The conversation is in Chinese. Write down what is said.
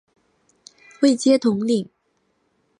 位阶统领。